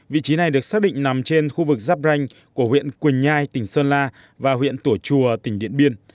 vị trí này được xác định nằm trên khu vực giáp ranh của huyện quỳnh nhai tỉnh sơn la và huyện tổ chùa tỉnh điện biên